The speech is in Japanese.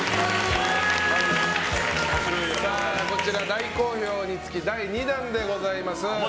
大好評につき第２弾でございます。